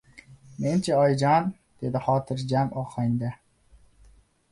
Men-chi, oyijon? - dedi xotirjam ohangda.